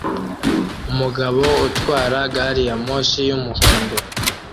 Umugabo utwara gari ya moshi yumuhondo